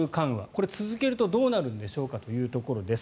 これ続けるとどうなるんでしょうかというところです。